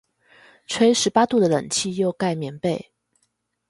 吹十八度的冷氣又蓋棉被